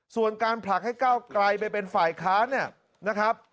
ส่วนการผลักให้ก้าวไกลไปเป็นฝ่ายค้านเนี่ยนะครับ